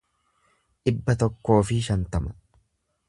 dhibba tokkoo fi shantama